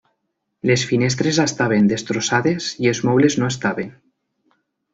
Les finestres estaven destrossades, i els mobles no estaven.